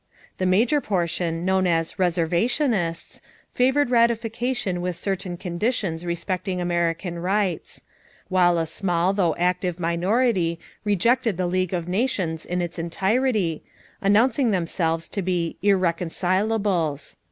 The major portion, known as "reservationists," favored ratification with certain conditions respecting American rights; while a small though active minority rejected the League of Nations in its entirety, announcing themselves to be "irreconcilables."